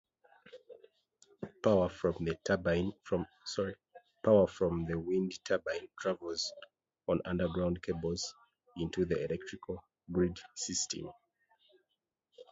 Power from the wind turbine travels on underground cables into the electrical grid system.